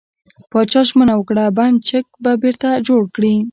پاچا ژمنه وکړه، بند چک به بېرته جوړ کړي .